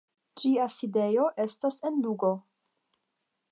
Ĝia sidejo estas en Lugo.